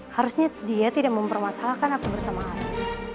harusnya dia tidak mempermasalahkan aku bersama aku